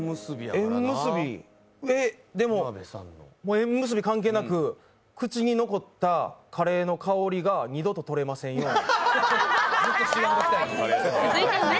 縁結び関係なく口に残ったカレーの香りが二度と撮れませんように。